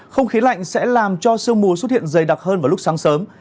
không khí lạnh sẽ làm cho sương mù xuất hiện dày đặc hơn vào lúc sáng sớm